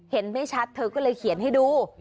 ไม่ชัดเธอก็เลยเขียนให้ดู